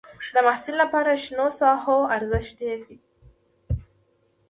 د محصل لپاره شنو ساحو ارزښت ډېر دی.